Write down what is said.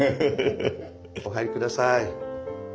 お入り下さい。